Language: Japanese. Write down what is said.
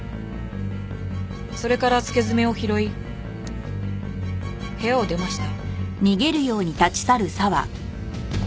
それから付け爪を拾い部屋を出ました。